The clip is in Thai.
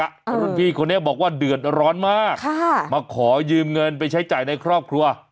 รุ่นพี่คนนี้บอกว่าเดือดร้อนมากค่ะมาขอยืมเงินไปใช้จ่ายในครอบครัว